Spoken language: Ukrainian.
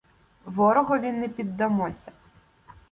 Ворогові не піддамося.